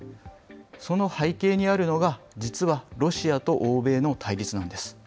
その背景にあるのが、実はロシアと欧米の対立なんです。